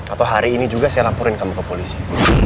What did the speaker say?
atau hari ini juga saya laporin kamu ke polisi